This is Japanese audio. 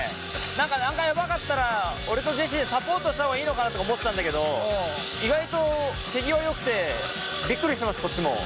何かヤバかったら俺とジェシーでサポートした方がいいのかなとか思ってたんだけど意外と手際よくてびっくりしてますこっちも。